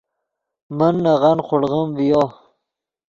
من نغن خوڑغیم ڤیو